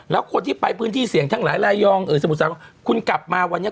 แล้วคนที่ไปพื้นที่เสี่ยงทั้งหลายรายองสมุทรสาครคุณกลับมาวันนี้